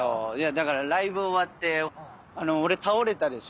だからライブ終わって俺倒れたでしょ。